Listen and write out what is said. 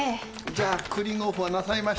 じゃあクーリングオフはなさいましたね？